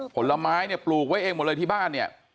ผลไม้เนี่ยปลูกไว้เองหมดเลยที่บ้านเนี่ย